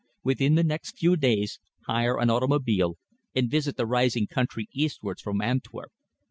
Within the next few days, hire an automobile and visit the rising country eastwards from Antwerp.